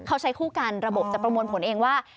เขาใช้คู่กันระบบจะประมวลผลเองว่า